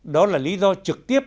đó là lý do trực tiếp